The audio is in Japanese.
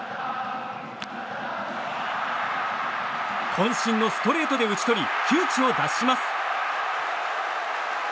渾身のストレートで打ち取り窮地を脱します。